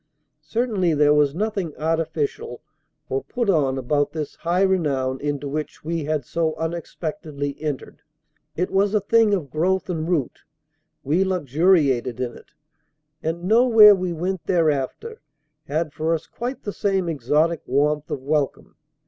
Certainly there was nothing artificial or "put on" about this high renown into which we had so unexpectedly entered; it was a thing of growth and root; we luxuriated in it, and nowhere we went thereafter had for us quite the same exotic warmth of wel come.